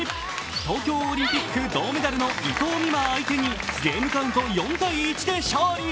東京オリンピック銅メダルの伊藤美誠相手にゲームカウント４−１で勝利。